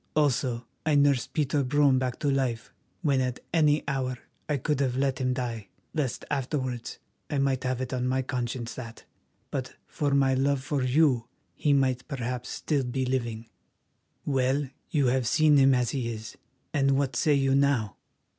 Also, I nursed Peter Brome back to life, when at any hour I could have let him die, lest afterwards I might have it on my conscience that, but for my love for you, he might perhaps still be living. Well, you have seen him as he is, and what say you now?